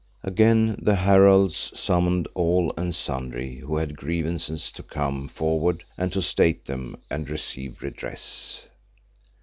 Again the heralds summoned all and sundry who had grievances, to come forward and to state them and receive redress.